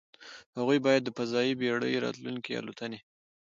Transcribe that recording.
هغې باید د فضايي بېړۍ راتلونکې الوتنې